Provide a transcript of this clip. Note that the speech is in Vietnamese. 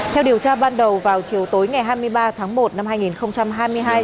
theo điều tra ban đầu vào chiều tối ngày hai mươi ba tháng một năm hai nghìn hai mươi hai